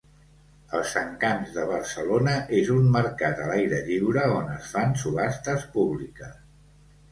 Els encants de Barcelona és un mercat a l'aire lliure on es fan subhastes públiques.